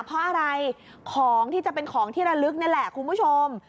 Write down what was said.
เพราะอะไรของที่จะเป็นของที่ระลึกนี่แหละคุณผู้ชม